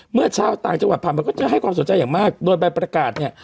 เมื่อชาวต่างจังหวัดผ่านมาก็จะให้ความสนใจอย่างมากโดยใบประกาศเนี่ย